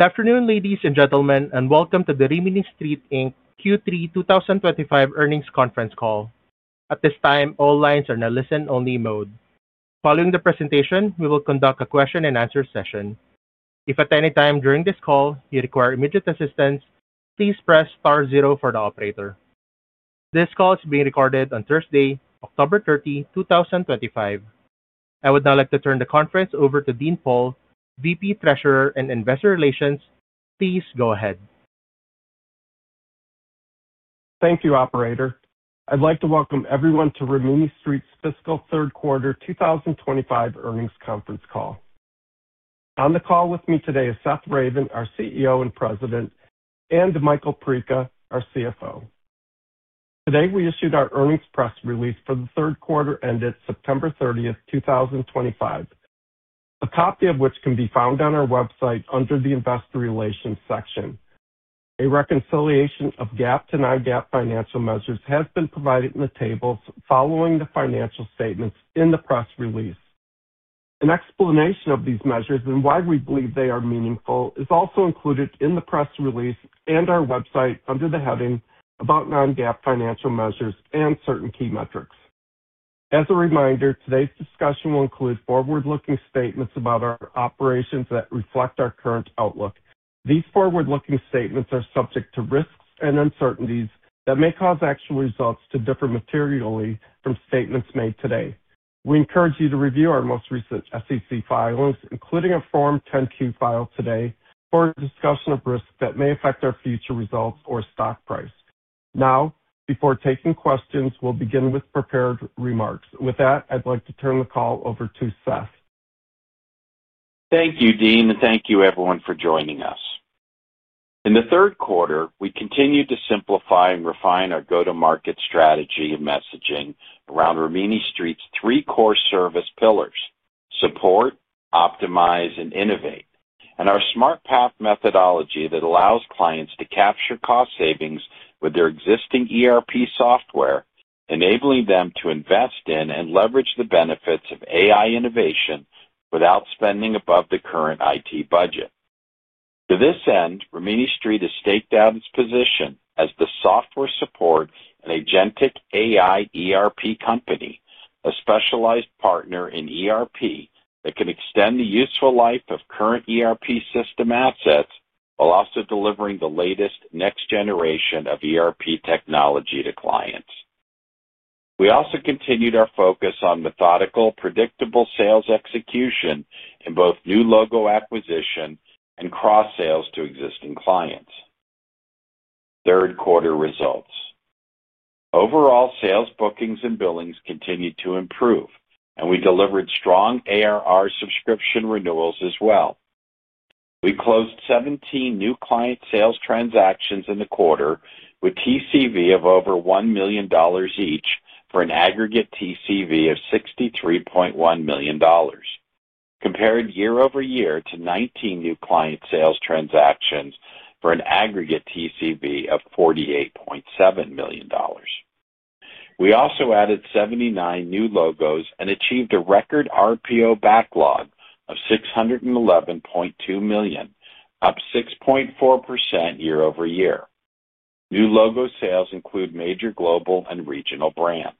Good afternoon, ladies and gentlemen, and welcome to the Rimini Street, Inc. Q3 2025 earnings conference call. At this time, all lines are in a listen-only mode. Following the presentation, we will conduct a question-and-answer session. If at any time during this call you require immediate assistance, please press *0 for the operator. This call is being recorded on Thursday, October 30, 2025. I would now like to turn the conference over to Dean Pohl, VP, Treasurer and Investor Relations. Please go ahead. Thank you, Operator. I'd like to welcome everyone to Rimini Street's Fiscal Third Quarter 2025 earnings conference call. On the call with me today is Seth Ravin, our CEO and President, and Michael Perica, our CFO. Today, we issued our earnings press release for the third quarter ended September 30, 2025, a copy of which can be found on our website under the Investor Relations section. A reconciliation of GAAP to non-GAAP financial measures has been provided in the tables following the financial statements in the press release. An explanation of these measures and why we believe they are meaningful is also included in the press release and our website under the heading "About Non-GAAP Financial Measures and Certain Key Metrics." As a reminder, today's discussion will include forward-looking statements about our operations that reflect our current outlook. These forward-looking statements are subject to risks and uncertainties that may cause actual results to differ materially from statements made today. We encourage you to review our most recent SEC filings, including a Form 10-Q filed today, for a discussion of risks that may affect our future results or stock price. Now, before taking questions, we'll begin with prepared remarks. With that, I'd like to turn the call over to Seth. Thank you, Dean, and thank you, everyone, for joining us. In the third quarter, we continued to simplify and refine our go-to-market strategy and messaging around Rimini Street's three core service pillars: support, optimize, and innovate, and our SmartPath methodology that allows clients to capture cost savings with their existing ERP software, enabling them to invest in and leverage the benefits of AI innovation without spending above the current IT budget. To this end, Rimini Street has staked out its position as the software support and agentic AI ERP company, a specialized partner in ERP that can extend the useful life of current ERP system assets while also delivering the latest next-generation of ERP technology to clients. We also continued our focus on methodical, predictable sales execution in both new logo acquisition and cross-sales to existing clients. Third quarter results. Overall, sales bookings and billings continued to improve, and we delivered strong ARR subscription renewals as well. We closed 17 new client sales transactions in the quarter with TCV of over $1 million each for an aggregate TCV of $63.1 million, compared year-over-year to 19 new client sales transactions for an aggregate TCV of $48.7 million. We also added 79 new logos and achieved a record RPO backlog of $611.2 million, up 6.4% year-over-year. New logo sales include major global and regional brands.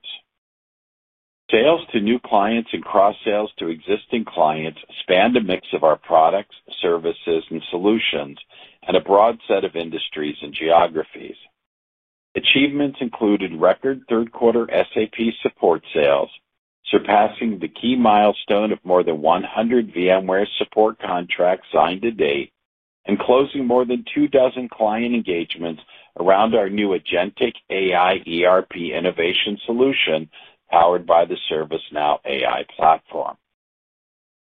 Sales to new clients and cross-sales to existing clients spanned a mix of our products, services, and solutions and a broad set of industries and geographies. Achievements included record third-quarter SAP support sales, surpassing the key milestone of more than 100 VMware support contracts signed to date, and closing more than two dozen client engagements around our new agentic AI ERP innovation solution powered by the ServiceNow AI platform.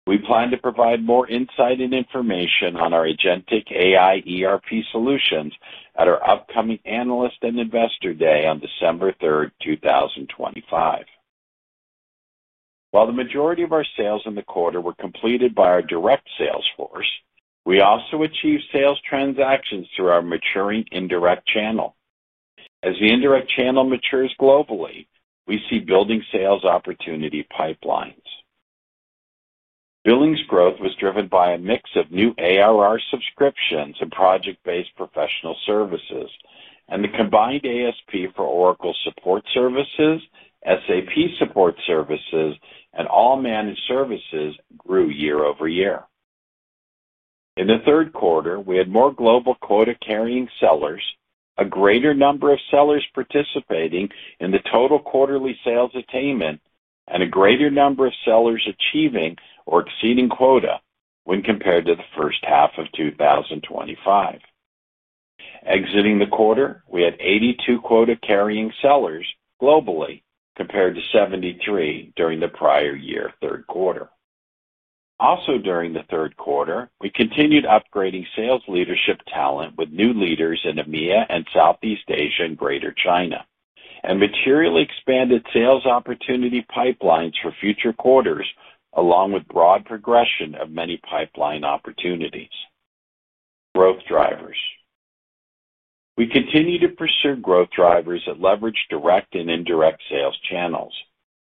We plan to provide more insight and information on our agentic AI ERP solutions at our upcoming Analyst and Investor Day on December 3, 2025. While the majority of our sales in the quarter were completed by our direct sales force, we also achieved sales transactions through our maturing indirect channel. As the indirect channel matures globally, we see building sales opportunity pipelines. Billings growth was driven by a mix of new ARR subscriptions and project-based professional services, and the combined ASP for Oracle support services, SAP support services, and all managed services grew year-over-year. In the third quarter, we had more global quota-carrying sellers, a greater number of sellers participating in the total quarterly sales attainment, and a greater number of sellers achieving or exceeding quota when compared to the first half of 2025. Exiting the quarter, we had 82 quota-carrying sellers globally compared to 73 during the prior year third quarter. Also, during the third quarter, we continued upgrading sales leadership talent with new leaders in EMEA and Southeast Asia and Greater China, and materially expanded sales opportunity pipelines for future quarters, along with broad progression of many pipeline opportunities. Growth drivers. We continue to pursue growth drivers that leverage direct and indirect sales channels.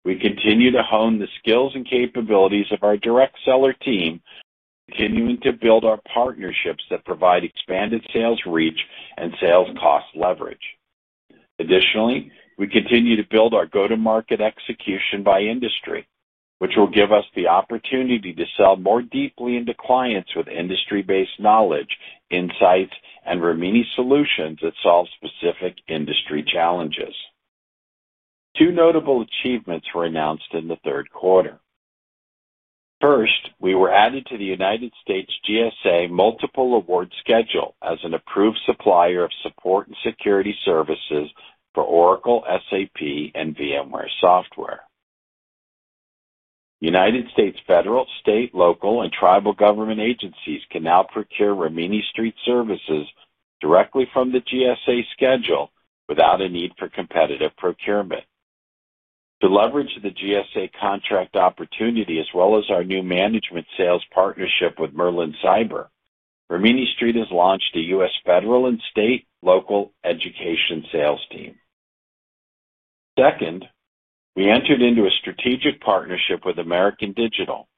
We continue to hone the skills and capabilities of our direct seller team, continuing to build our partnerships that provide expanded sales reach and sales cost leverage. Additionally, we continue to build our go-to-market execution by industry, which will give us the opportunity to sell more deeply into clients with industry-based knowledge, insights, and Rimini solutions that solve specific industry challenges. Two notable achievements were announced in the third quarter. First, we were added to the U.S. GSA Multiple Award Schedule as an approved supplier of support and security services for Oracle, SAP, and VMware software. U.S. federal, state, local, and tribal government agencies can now procure Rimini Street services directly from the GSA schedule without a need for competitive procurement. To leverage the GSA contract opportunity, as well as our new management sales partnership with Merlin Cyber, Rimini Street has launched a U.S. federal and state, local, education sales team. Second, we entered into a strategic partnership with American Digital,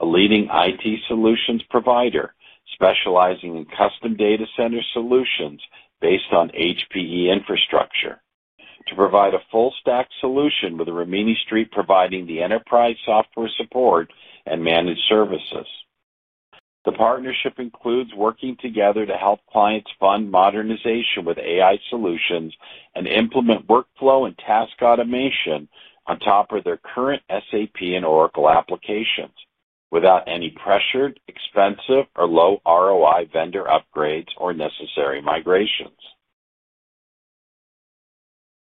a leading IT solutions provider specializing in custom data center solutions based on HPE infrastructure, to provide a full-stack solution with Rimini Street providing the enterprise software support and managed services. The partnership includes working together to help clients fund modernization with AI solutions and implement workflow and task automation on top of their current SAP and Oracle applications without any pressured, expensive, or low ROI vendor upgrades or necessary migrations.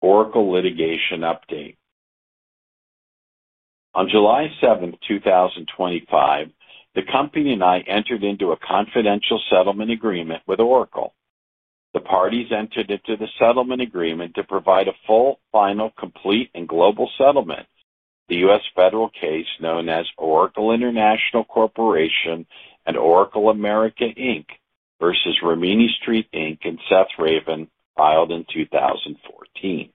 Oracle litigation update. On July 7, 2025, the company and I entered into a confidential settlement agreement with Oracle. The parties entered into the settlement agreement to provide a full, final, complete, and global settlement. The U.S. federal case known as Oracle International Corporation and Oracle America, Inc. v. Rimini Street, Inc., and Seth Ravin filed in 2014.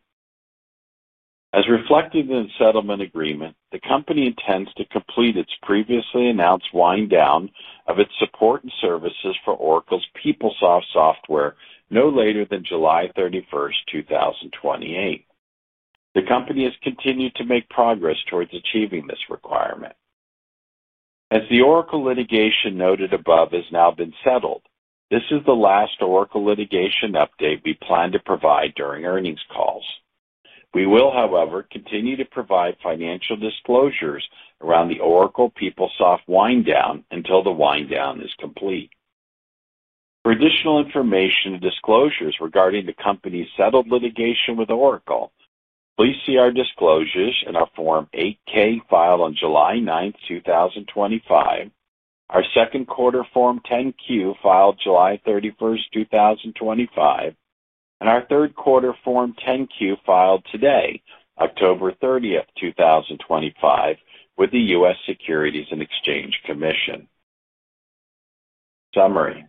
As reflected in the settlement agreement, the company intends to complete its previously announced wind-down of its support and services for Oracle PeopleSoft software no later than July 31, 2028. The company has continued to make progress towards achieving this requirement. As the Oracle litigation noted above has now been settled, this is the last Oracle litigation update we plan to provide during earnings calls. We will, however, continue to provide financial disclosures around the Oracle PeopleSoft wind-down until the wind-down is complete. For additional information and disclosures regarding the company's settled litigation with Oracle, please see our disclosures in our Form 8-K filed on July 9, 2025, our second quarter Form 10-Q filed July 31, 2025, and our third quarter Form 10-Q filed today, October 30, 2025, with the U.S. Securities and Exchange Commission. Summary.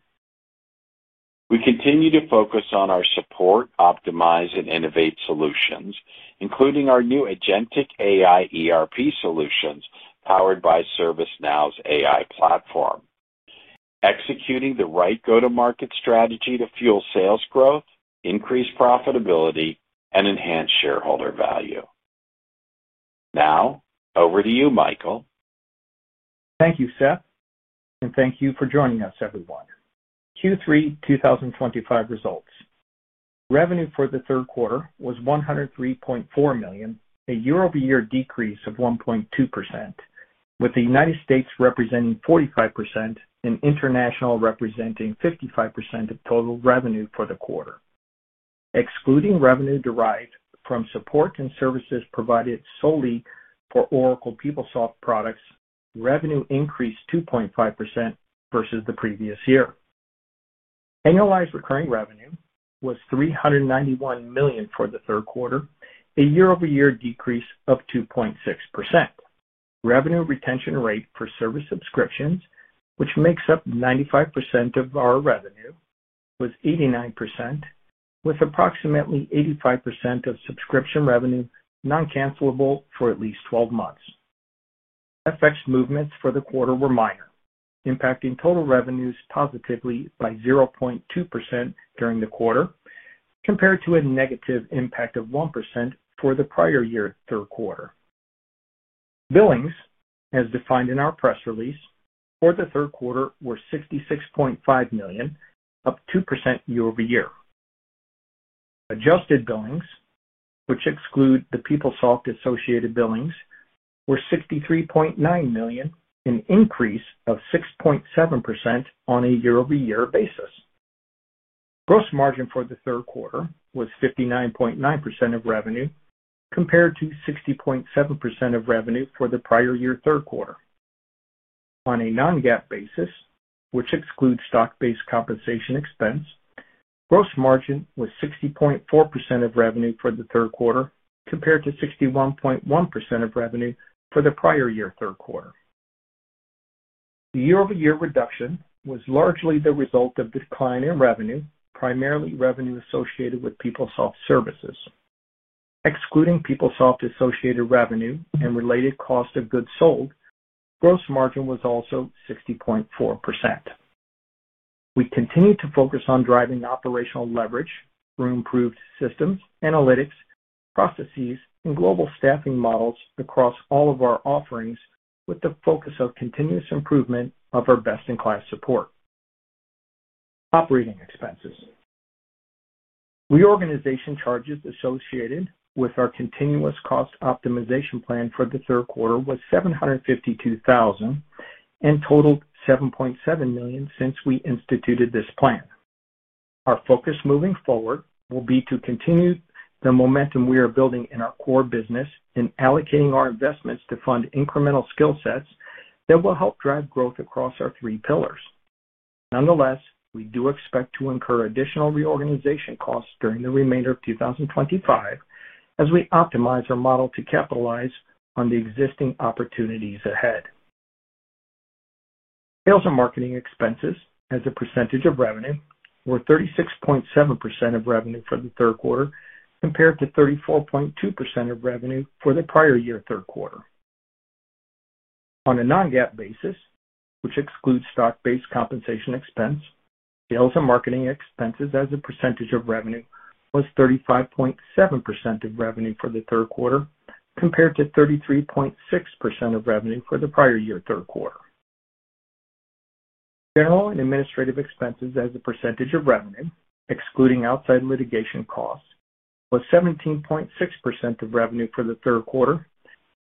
We continue to focus on our support, optimize, and innovate solutions, including our new agentic AI ERP solutions powered by ServiceNow's AI platform. Executing the right go-to-market strategy to fuel sales growth, increase profitability, and enhance shareholder value. Now, over to you, Michael. Thank you, Seth. Thank you for joining us, everyone. Q3 2025 results. Revenue for the third quarter was $103.4 million, a year-over-year decrease of 1.2%, with the United States representing 45% and international representing 55% of total revenue for the quarter. Excluding revenue derived from support and services provided solely for Oracle PeopleSoft products, revenue increased 2.5% versus the previous year. Annualized recurring revenue was $391 million for the third quarter, a year-over-year decrease of 2.6%. Revenue retention rate for service subscriptions, which makes up 95% of our revenue, was 89%, with approximately 85% of subscription revenue non-cancelable for at least 12 months. FX movements for the quarter were minor, impacting total revenues positively by 0.2% during the quarter compared to a negative impact of 1% for the prior year third quarter. Billings, as defined in our press release, for the third quarter were $66.5 million, up 2% year-over-year. Adjusted billings, which exclude the PeopleSoft-associated billings, were $63.9 million, an increase of 6.7% on a year-over-year basis. Gross margin for the third quarter was 59.9% of revenue compared to 60.7% of revenue for the prior year third quarter. On a non-GAAP basis, which excludes stock-based compensation expense, gross margin was 60.4% of revenue for the third quarter compared to 61.1% of revenue for the prior year third quarter. The year-over-year reduction was largely the result of the decline in revenue, primarily revenue associated with PeopleSoft services. Excluding PeopleSoft-associated revenue and related cost of goods sold, gross margin was also 60.4%. We continue to focus on driving operational leverage through improved systems, analytics, processes, and global staffing models across all of our offerings with the focus of continuous improvement of our best-in-class support. Operating expenses. Reorganization charges associated with our continuous cost optimization plan for the third quarter were $752,000 and totaled $7.7 million since we instituted this plan. Our focus moving forward will be to continue the momentum we are building in our core business in allocating our investments to fund incremental skill sets that will help drive growth across our three pillars. Nonetheless, we do expect to incur additional reorganization costs during the remainder of 2025 as we optimize our model to capitalize on the existing opportunities ahead. Sales and marketing expenses as a percentage of revenue were 36.7% of revenue for the third quarter compared to 34.2% of revenue for the prior year third quarter. On a non-GAAP basis, which excludes stock-based compensation expense, sales and marketing expenses as a percentage of revenue were 35.7% of revenue for the third quarter compared to 33.6% of revenue for the prior year third quarter. General and administrative expenses as a percentage of revenue, excluding outside litigation costs, were 17.6% of revenue for the third quarter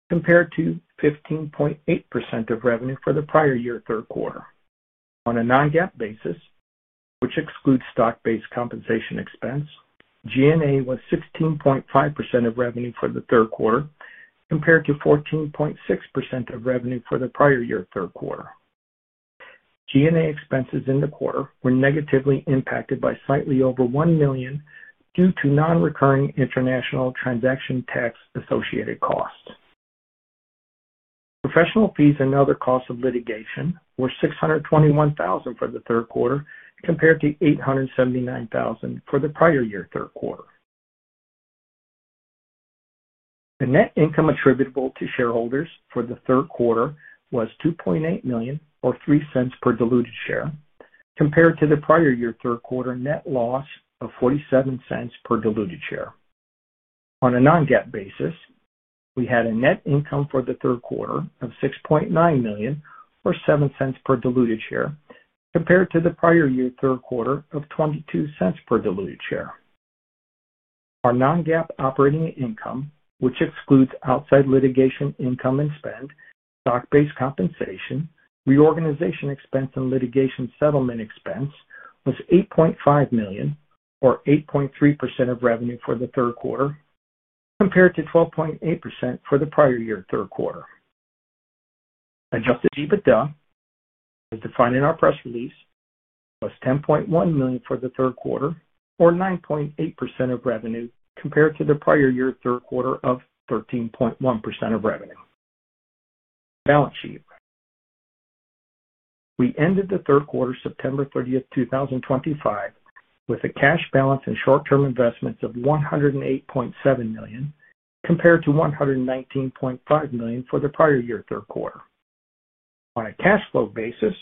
compared to 15.8% of revenue for the prior year third quarter. On a non-GAAP basis, which excludes stock-based compensation expense, G&A was 16.5% of revenue for the third quarter compared to 14.6% of revenue for the prior year third quarter. G&A expenses in the quarter were negatively impacted by slightly over $1 million due to non-recurring international transaction tax-associated costs. Professional fees and other costs of litigation were $621,000 for the third quarter compared to $879,000 for the prior year third quarter. The net income attributable to shareholders for the third quarter was $2.8 million, or $0.03 per diluted share, compared to the prior year third quarter net loss of $0.47 per diluted share. On a non-GAAP basis, we had a net income for the third quarter of $6.9 million, or $0.07 per diluted share, compared to the prior year third quarter of $0.22 per diluted share. Our non-GAAP operating income, which excludes outside litigation income and spend, stock-based compensation, reorganization expense, and litigation settlement expense, was $8.5 million, or 8.3% of revenue for the third quarter compared to 12.8% for the prior year third quarter. Adjusted EBITDA as defined in our press release was $10.1 million for the third quarter, or 9.8% of revenue compared to the prior year third quarter of 13.1% of revenue. Balance sheet. We ended the third quarter September 30, 2025, with a cash balance and short-term investments of $108.7 million compared to $119.5 million for the prior year third quarter. On a cash flow basis,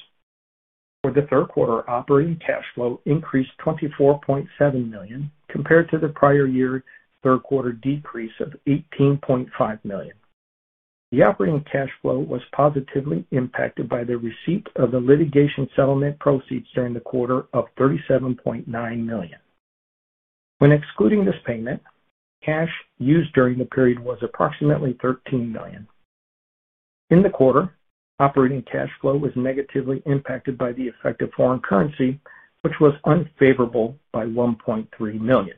for the third quarter, operating cash flow increased $24.7 million compared to the prior year third quarter decrease of $18.5 million. The operating cash flow was positively impacted by the receipt of the litigation settlement proceeds during the quarter of $37.9 million. When excluding this payment, cash used during the period was approximately $13 million. In the quarter, operating cash flow was negatively impacted by the effect of foreign currency, which was unfavorable by $1.3 million.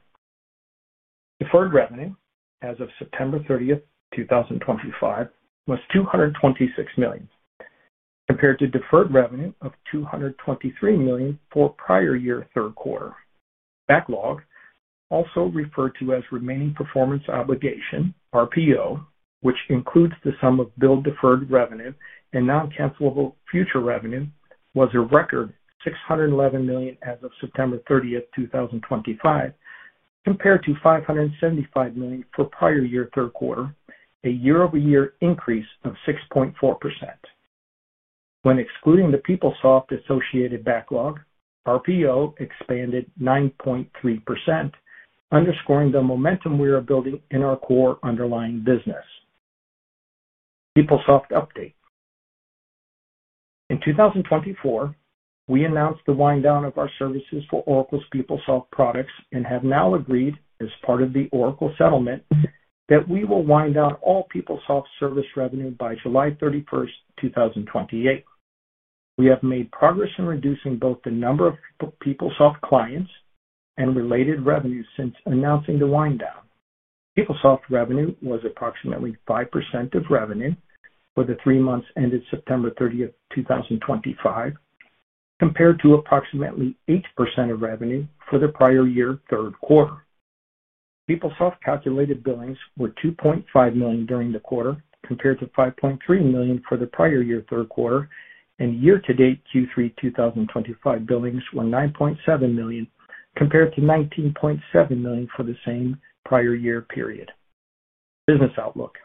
Deferred revenue as of September 30, 2025, was $226 million, compared to deferred revenue of $223 million for the prior year third quarter. Backlog, also referred to as remaining performance obligation (RPO), which includes the sum of billed deferred revenue and non-cancelable future revenue, was a record $611 million as of September 30, 2025, compared to $575 million for the prior year third quarter, a year-over-year increase of 6.4%. When excluding the PeopleSoft-associated backlog, RPO expanded 9.3%, underscoring the momentum we are building in our core underlying business. PeopleSoft update. In 2024, we announced the wind-down of our services for Oracle PeopleSoft products and have now agreed, as part of the Oracle settlement, that we will wind down all PeopleSoft service revenue by July 31, 2028. We have made progress in reducing both the number of PeopleSoft clients and related revenue since announcing the wind-down. PeopleSoft revenue was approximately 5% of revenue for the three months ended September 30, 2025, compared to approximately 8% of revenue for the prior year third quarter. PeopleSoft calculated billings were $2.5 million during the quarter compared to $5.3 million for the prior year third quarter, and year-to-date Q3 2025 billings were $9.7 million compared to $19.7 million for the same prior year period. Business outlook.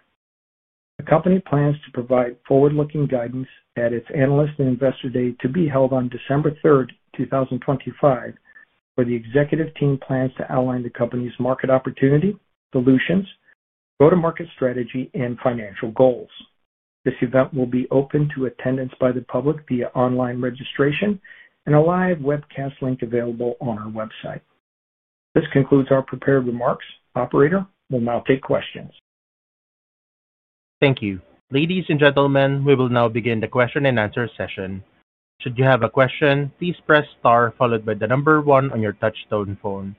The company plans to provide forward-looking guidance at its Analyst and Investor Day to be held on December 3, 2025, where the executive team plans to outline the company's market opportunity, solutions, go-to-market strategy, and financial goals. This event will be open to attendance by the public via online registration and a live webcast link available on our website. This concludes our prepared remarks. Operator will now take questions. Thank you. Ladies and gentlemen, we will now begin the question-and-answer session. Should you have a question, please press star followed by the number one on your touch-tone phone.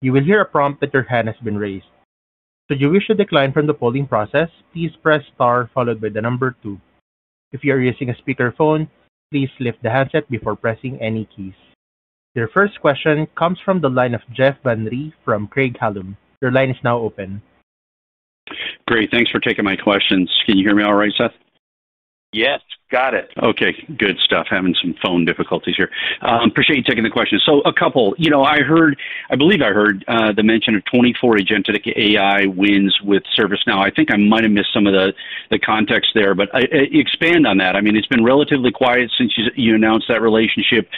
You will hear a prompt that your hand has been raised. Should you wish to decline from the polling process, please press star followed by the number two. If you are using a speakerphone, please lift the handset before pressing any keys. Your first question comes from the line of Jeff Van Rhee from Craig-Hallum. Your line is now open. Great. Thanks for taking my questions. Can you hear me all right, Seth? Yes, got it. Okay. Good stuff. Having some phone difficulties here. Appreciate you taking the question. A couple. I believe I heard the mention of 24 agentic AI wins with ServiceNow. I think I might have missed some of the context there, but expand on that. It's been relatively quiet since you announced that relationship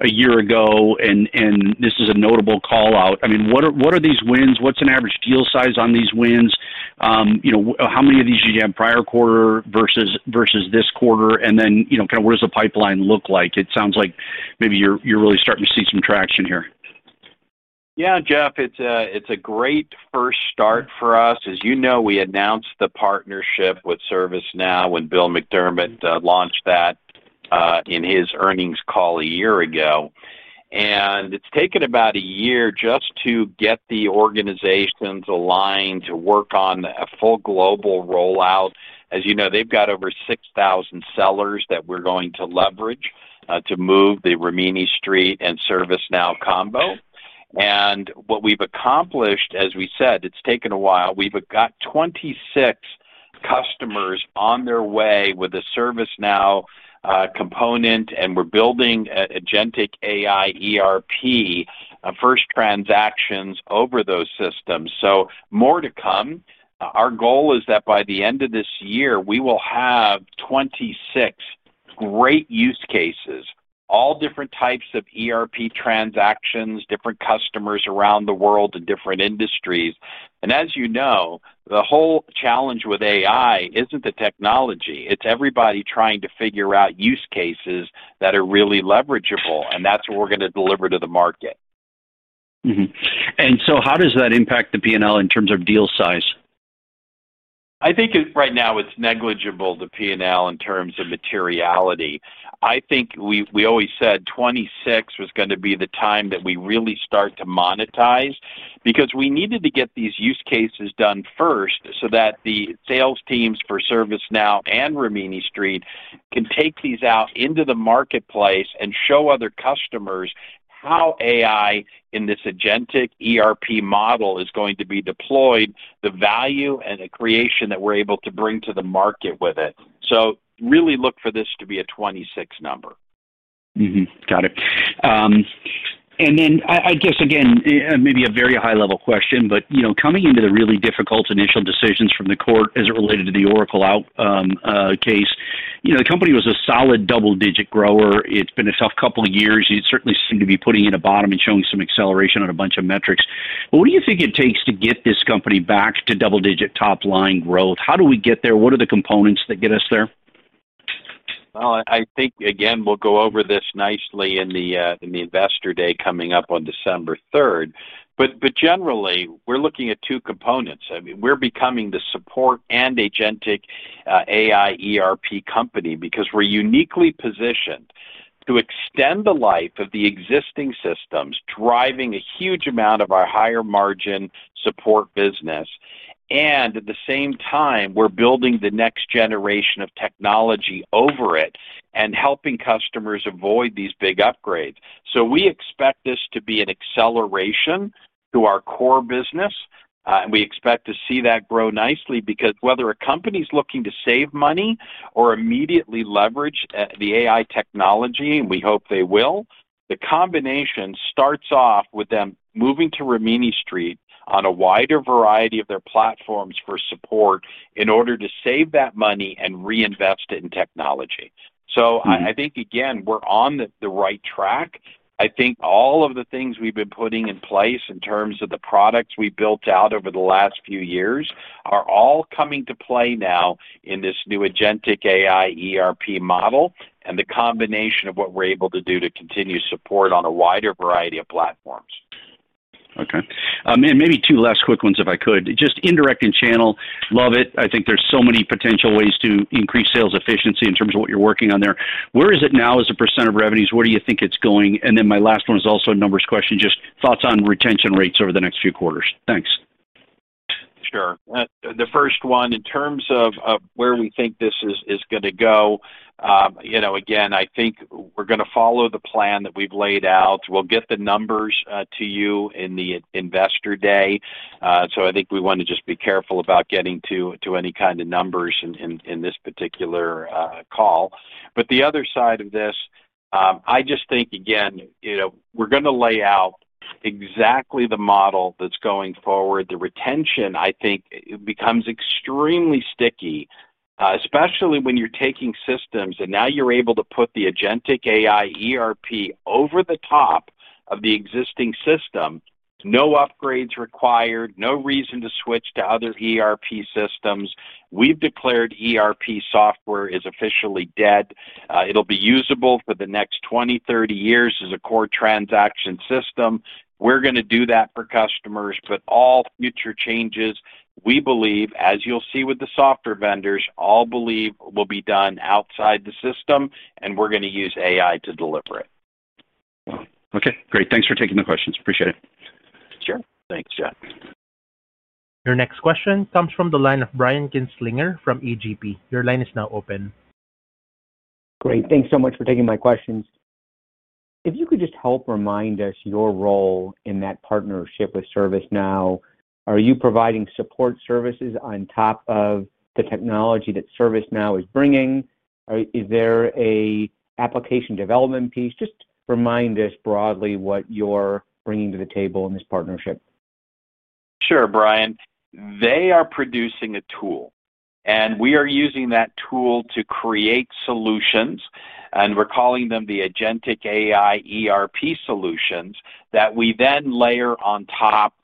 a year ago, and this is a notable callout. What are these wins? What's an average deal size on these wins? How many of these did you have prior quarter versus this quarter? What does the pipeline look like? It sounds like maybe you're really starting to see some traction here. Yeah, Jeff, it's a great first start for us. As you know, we announced the partnership with ServiceNow when Bill McDermott launched that in his earnings call a year ago. It's taken about a year just to get the organizations aligned to work on a full global rollout. As you know, they've got over 6,000 sellers that we're going to leverage to move the Rimini Street and ServiceNow combo. What we've accomplished, as we said, it's taken a while. We've got 26 customers on their way with a ServiceNow component, and we're building agentic AI ERP first transactions over those systems. More to come. Our goal is that by the end of this year, we will have 26 great use cases, all different types of ERP transactions, different customers around the world in different industries. The whole challenge with AI isn't the technology. It's everybody trying to figure out use cases that are really leverageable, and that's what we're going to deliver to the market. How does that impact the P&L in terms of deal size? I think right now it's negligible to P&L in terms of materiality. I think we always said 2026 was going to be the time that we really start to monetize because we needed to get these use cases done first so that the sales teams for ServiceNow and Rimini Street can take these out into the marketplace and show other customers how AI in this agentic ERP model is going to be deployed, the value and the creation that we're able to bring to the market with it. Really look for this to be a 2026 number. Got it. I guess, again, maybe a very high-level question, coming into the really difficult initial decisions from the court as it related to the Oracle case, the company was a solid double-digit grower. It's been a tough couple of years. You certainly seem to be putting in a bottom and showing some acceleration on a bunch of metrics. What do you think it takes to get this company back to double-digit top-line growth? How do we get there? What are the components that get us there? I think, again, we'll go over this nicely in the investor day coming up on December 3. Generally, we're looking at two components. I mean, we're becoming the support and agentic AI ERP company because we're uniquely positioned to extend the life of the existing systems, driving a huge amount of our higher-margin support business. At the same time, we're building the next generation of technology over it and helping customers avoid these big upgrades. We expect this to be an acceleration to our core business. We expect to see that grow nicely because whether a company is looking to save money or immediately leverage the AI technology, and we hope they will, the combination starts off with them moving to Rimini Street on a wider variety of their platforms for support in order to save that money and reinvest it in technology. I think, again, we're on the right track. I think all of the things we've been putting in place in terms of the products we built out over the last few years are all coming to play now in this new agentic AI ERP model and the combination of what we're able to do to continue support on a wider variety of platforms. Okay. Maybe two last quick ones if I could. Just indirect and channel, love it. I think there's so many potential ways to increase sales efficiency in terms of what you're working on there. Where is it now as a % of revenues? Where do you think it's going? My last one is also a numbers question, just thoughts on retention rates over the next few quarters. Thanks. Sure. The first one, in terms of where we think this is going to go, I think we're going to follow the plan that we've laid out. We'll get the numbers to you in the investor day. I think we want to just be careful about getting to any kind of numbers in this particular call. The other side of this, I just think we're going to lay out exactly the model that's going forward. The retention, I think, becomes extremely sticky, especially when you're taking systems and now you're able to put the agentic AI ERP over the top of the existing system. No upgrades required, no reason to switch to other ERP systems. We've declared ERP software is officially dead. It'll be usable for the next 20, 30 years as a core transaction system. We're going to do that for customers, but all future changes, we believe, as you'll see with the software vendors, all believe will be done outside the system, and we're going to use AI to deliver it. Okay. Great. Thanks for taking the questions. Appreciate it. Sure. Thanks, Jeff. Your next question comes from the line of Brian Kinstlinger from A.G.P. Your line is now open. Great. Thanks so much for taking my questions. If you could just help remind us your role in that partnership with ServiceNow, are you providing support services on top of the technology that ServiceNow is bringing? Is there an application development piece? Just remind us broadly what you're bringing to the table in this partnership. Sure, Brian. They are producing a tool, and we are using that tool to create solutions, and we're calling them the agentic AI ERP solutions that we then layer on top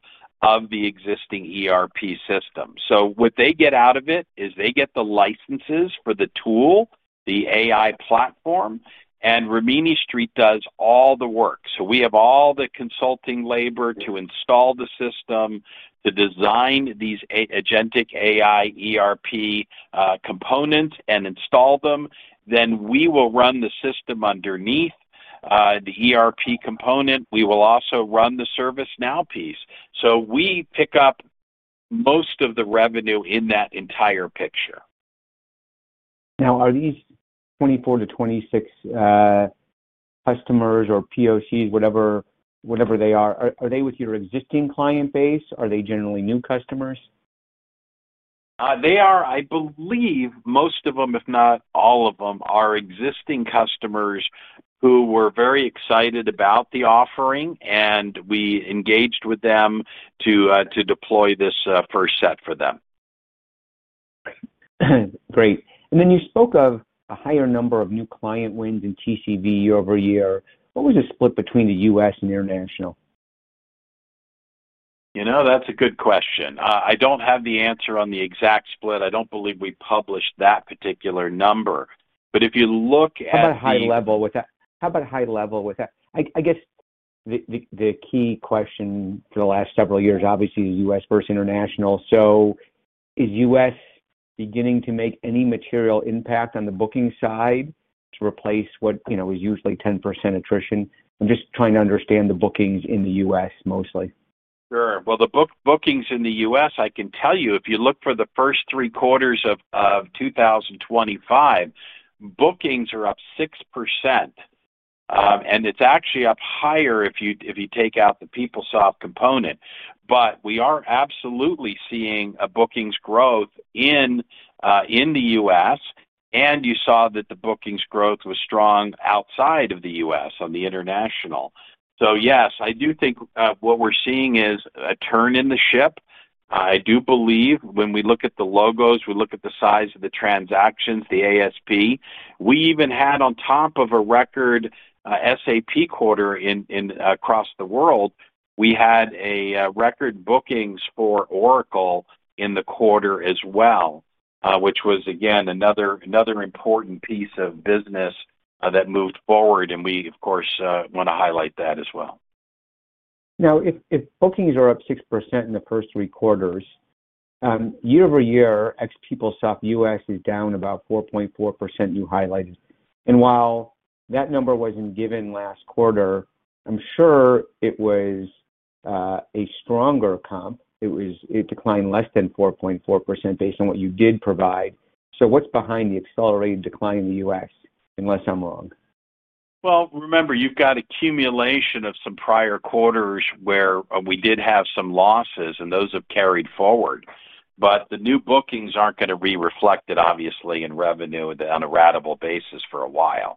of the existing ERP system. What they get out of it is they get the licenses for the tool, the AI platform, and Rimini Street does all the work. We have all the consulting labor to install the system, to design these agentic AI ERP components and install them. We will run the system underneath the ERP component. We will also run the ServiceNow piece. We pick up most of the revenue in that entire picture. Now, are these 24-26 customers or POCs, whatever they are, are they with your existing client base? Are they generally new customers? They are. I believe most of them, if not all of them, are existing customers who were very excited about the offering, and we engaged with them to deploy this first set for them. Great. You spoke of a higher number of new client wins in TCV year-over-year. What was the split between the U.S. and international? That's a good question. I don't have the answer on the exact split. I don't believe we published that particular number. If you look at. How about high level with that? I guess the key question for the last several years, obviously, is U.S. versus international. Is U.S. beginning to make any material impact on the booking side to replace what is usually 10% attrition? I'm just trying to understand the bookings in the U.S. mostly. Sure. The bookings in the U.S., I can tell you, if you look for the first three quarters of 2025, bookings are up 6%. It's actually up higher if you take out the PeopleSoft component. We are absolutely seeing a bookings growth in the U.S., and you saw that the bookings growth was strong outside of the U.S. on the international. Yes, I do think what we're seeing is a turn in the ship. I do believe when we look at the logos, we look at the size of the transactions, the ASP. We even had, on top of a record SAP quarter across the world, a record bookings for Oracle in the quarter as well, which was, again, another important piece of business that moved forward. We, of course, want to highlight that as well. Now, if bookings are up 6% in the first three quarters year-over-year, ex. PeopleSoft U.S. is down about 4.4%, you highlighted. While that number wasn't given last quarter, I'm sure it was a stronger comp. It declined less than 4.4% based on what you did provide. What's behind the accelerated decline in the U.S., unless I'm wrong? Remember, you've got accumulation of some prior quarters where we did have some losses, and those have carried forward. The new bookings aren't going to be reflected, obviously, in revenue on a ratable basis for a while.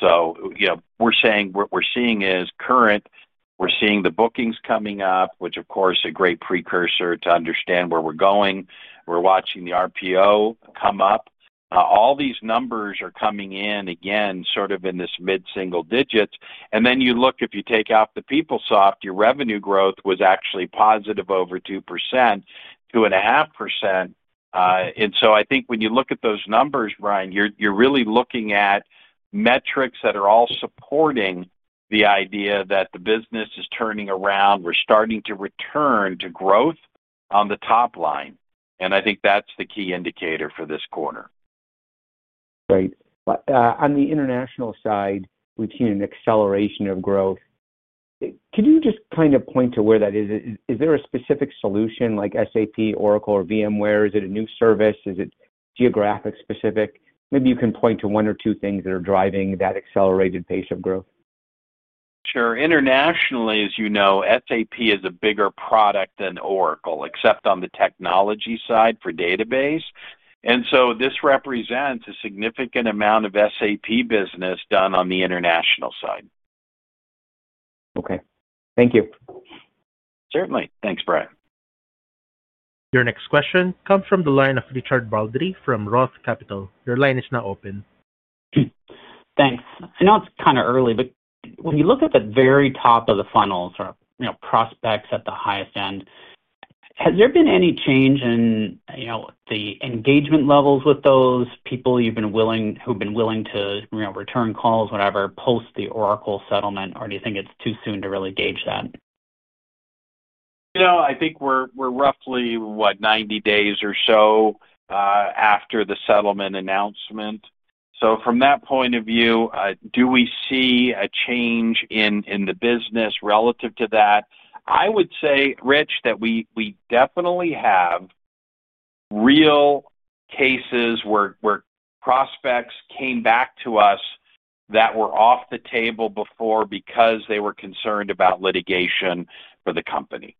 What we're seeing is current. We're seeing the bookings coming up, which, of course, is a great precursor to understand where we're going. We're watching the RPO come up. All these numbers are coming in, again, sort of in this mid-single digits. If you take out the PeopleSoft, your revenue growth was actually positive over 2%, 2.5%. I think when you look at those numbers, Brian, you're really looking at metrics that are all supporting the idea that the business is turning around. We're starting to return to growth on the top line. I think that's the key indicator for this quarter. Great. On the international side, we've seen an acceleration of growth. Could you just kind of point to where that is? Is there a specific solution like SAP, Oracle, or VMware? Is it a new service? Is it geographic-specific? Maybe you can point to one or two things that are driving that accelerated pace of growth. Sure. Internationally, as you know, SAP is a bigger product than Oracle, except on the technology side for database. This represents a significant amount of SAP business done on the international side. Okay, thank you. Certainly. Thanks, Brian. Your next question comes from the line of Richard Baldry from Roth Capital. Your line is now open. Thanks. I know it's kind of early, but when you look at the very top of the funnel, prospects at the highest end, has there been any change in the engagement levels with those people who've been willing to return calls, whatever, post the Oracle settlement, or do you think it's too soon to really gauge that? I think we're roughly, what, 90 days or so after the settlement announcement. From that point of view, do we see a change in the business relative to that? I would say, Rich, that we definitely have. Real cases where prospects came back to us that were off the table before because they were concerned about litigation for the company.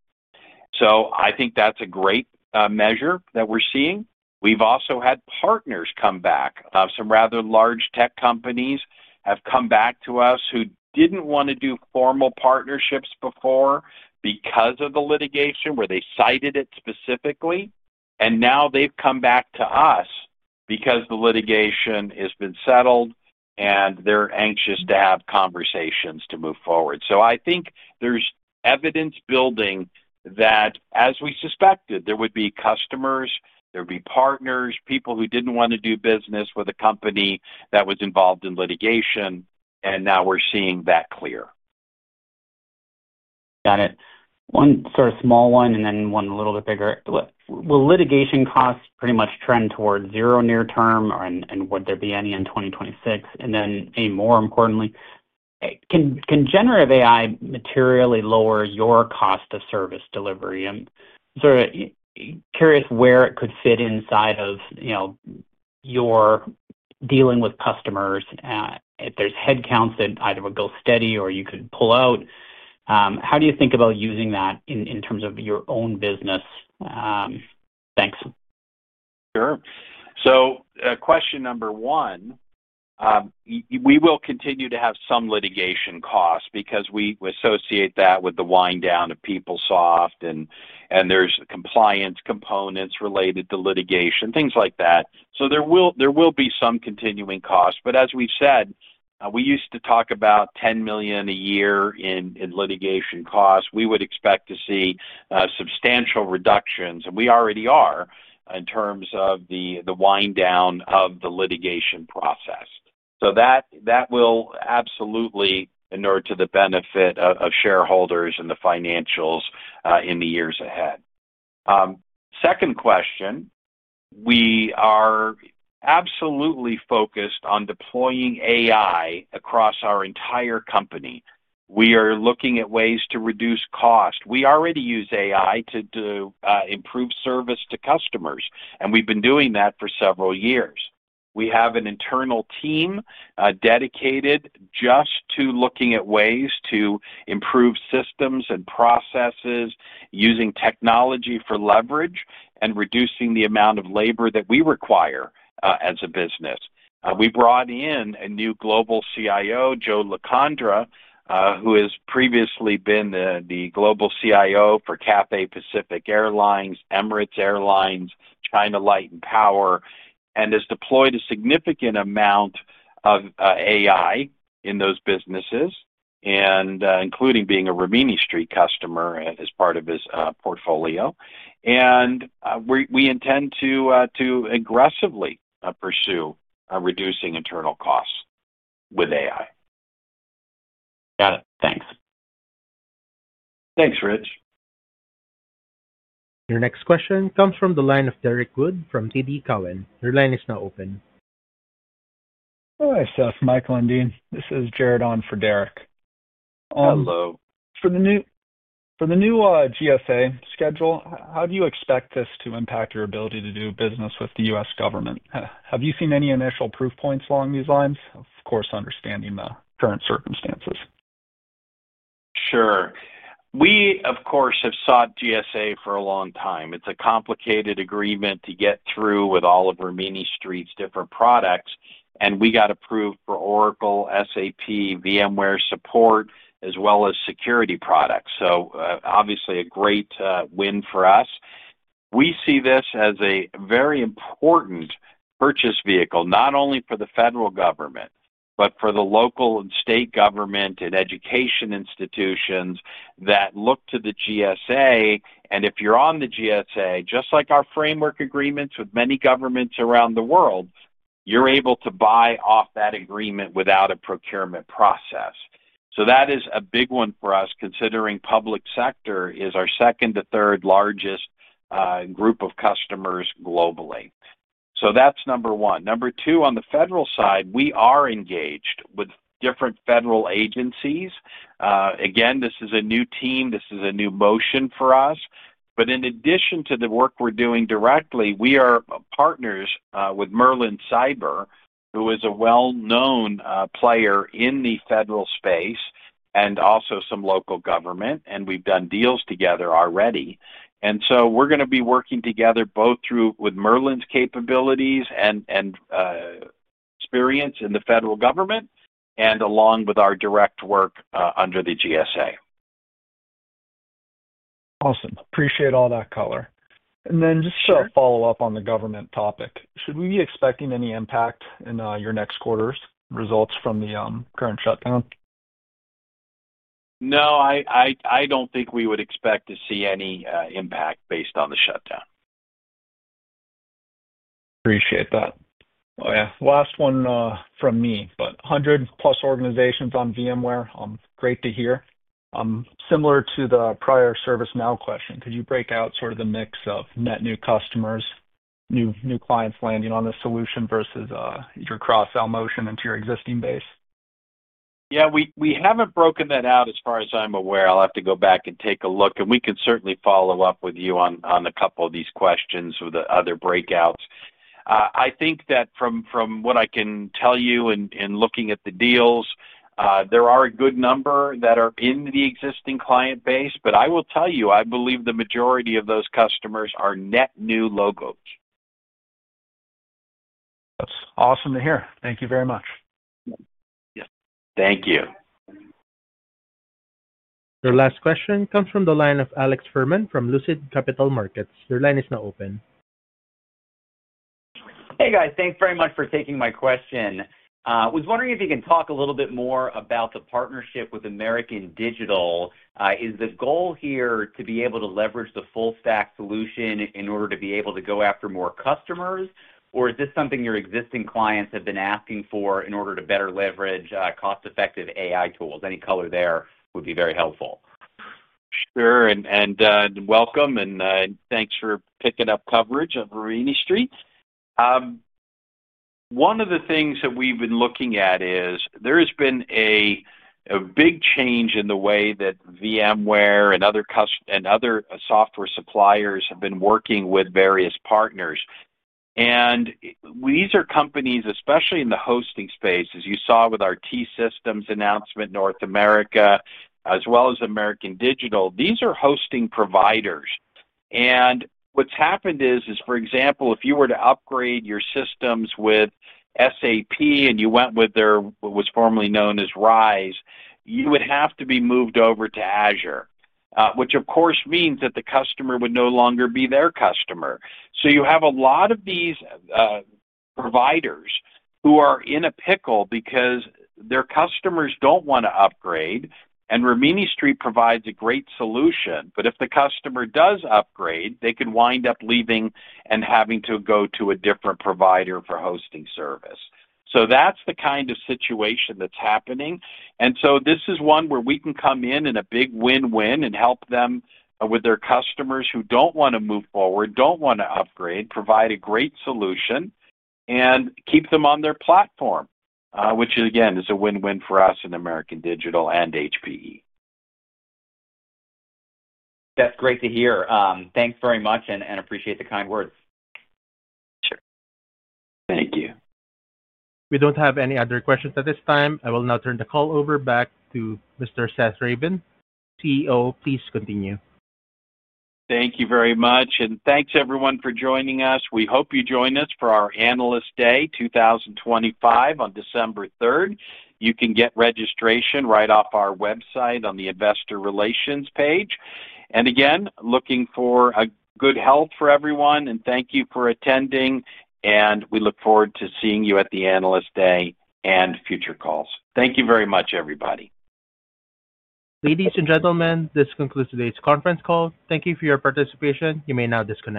I think that's a great measure that we're seeing. We've also had partners come back. Some rather large tech companies have come back to us who didn't want to do formal partnerships before because of the litigation, where they cited it specifically. Now they've come back to us because the litigation has been settled, and they're anxious to have conversations to move forward. I think there's evidence building that, as we suspected, there would be customers, there would be partners, people who didn't want to do business with a company that was involved in litigation. Now we're seeing that clear. Got it. One sort of small one and then one a little bit bigger. Will litigation costs pretty much trend towards zero near term, and would there be any in 2026? More importantly, can generative AI materially lower your cost of service delivery? I'm curious where it could fit inside of your dealing with customers. If there's headcounts that either would go steady or you could pull out, how do you think about using that in terms of your own business? Thanks. Sure. Question number one. We will continue to have some litigation costs because we associate that with the wind down of PeopleSoft, and there's compliance components related to litigation, things like that. There will be some continuing costs. As we've said, we used to talk about $10 million a year in litigation costs. We would expect to see substantial reductions, and we already are in terms of the wind down of the litigation process. That will absolutely inure to the benefit of shareholders and the financials in the years ahead. Second question. We are absolutely focused on deploying AI across our entire company. We are looking at ways to reduce cost. We already use AI to improve service to customers, and we've been doing that for several years. We have an internal team dedicated just to looking at ways to improve systems and processes, using technology for leverage, and reducing the amount of labor that we require as a business. We brought in a new global CIO, Joe Locandro, who has previously been the global CIO for Cathay Pacific Airlines, Emirates Airlines, China Light and Power, and has deployed a significant amount of AI in those businesses, including being a Rimini Street customer as part of his portfolio. We intend to aggressively pursue reducing internal costs with AI. Got it. Thanks. Thanks, Rich. Your next question comes from the line of Derrick Wood from TD Cowen. Your line is now open. Hi, Seth, Michael, and Dean. This is Jared on for Derek. Hello. For the new GSA schedule, how do you expect this to impact your ability to do business with the U.S. government? Have you seen any initial proof points along these lines? Of course, understanding the current circumstances. Sure. We, of course, have sought GSA for a long time. It's a complicated agreement to get through with all of Rimini Street's different products, and we got approved for Oracle, SAP, VMware support, as well as security products. Obviously, a great win for us. We see this as a very important purchase vehicle, not only for the federal government, but for the local and state government and education institutions that look to the GSA. If you're on the GSA, just like our framework agreements with many governments around the world, you're able to buy off that agreement without a procurement process. That is a big one for us, considering public sector is our second to third largest group of customers globally. That's number one. Number two, on the federal side, we are engaged with different federal agencies. This is a new team. This is a new motion for us. In addition to the work we're doing directly, we are partners with Merlin Cyber, who is a well-known player in the federal space and also some local government, and we've done deals together already. We're going to be working together both through Merlin's capabilities and experience in the federal government and along with our direct work under the GSA. Awesome. Appreciate all that color. Just a follow-up on the government topic. Should we be expecting any impact in your next quarter's results from the current shutdown? No, I don't think we would expect to see any impact based on the shutdown. Appreciate that. Last one from me. With 100+ organizations on VMware, great to hear. Similar to the prior ServiceNow question, could you break out the mix of net new customers, new clients landing on the solution versus your cross-sell motion into your existing base? We haven't broken that out as far as I'm aware. I'll have to go back and take a look. We can certainly follow up with you on a couple of these questions with the other breakouts. From what I can tell you in looking at the deals, there are a good number that are in the existing client base. I believe the majority of those customers are net new logos. That's awesome to hear. Thank you very much. Thank you. Your last question comes from the line of Alex Fuhrman from Lucid Capital Markets. Your line is now open. Hey, guys. Thanks very much for taking my question. I was wondering if you can talk a little bit more about the partnership with American Digital. Is the goal here to be able to leverage the full-stack solution in order to be able to go after more customers, or is this something your existing clients have been asking for in order to better leverage cost-effective AI tools? Any color there would be very helpful. Sure. Welcome, and thanks for picking up coverage of Rimini Street. One of the things that we've been looking at is there has been a big change in the way that VMware and other software suppliers have been working with various partners. These are companies, especially in the hosting space, as you saw with our T-Systems North America announcement, as well as American Digital. These are hosting providers. What's happened is, for example, if you were to upgrade your systems with SAP and you went with what was formerly known as Rise, you would have to be moved over to Azure, which, of course, means that the customer would no longer be their customer. You have a lot of these providers who are in a pickle because their customers don't want to upgrade. Rimini Street provides a great solution. If the customer does upgrade, they could wind up leaving and having to go to a different provider for hosting service. That's the kind of situation that's happening. This is one where we can come in and a big win-win and help them with their customers who don't want to move forward, don't want to upgrade, provide a great solution, and keep them on their platform, which, again, is a win-win for us in American Digital and HPE. That's great to hear. Thanks very much, and I appreciate the kind words. Sure. Thank you. We don't have any other questions at this time. I will now turn the call over back to Mr. Seth Ravin, CEO. Please continue. Thank you very much. Thanks, everyone, for joining us. We hope you join us for our Analyst Day 2025 on December 3. You can get registration right off our website on the Investor Relations page. Again, looking for good health for everyone. Thank you for attending. We look forward to seeing you at the Analyst Day and future calls. Thank you very much, everybody. Ladies and gentlemen, this concludes today's conference call. Thank you for your participation. You may now disconnect.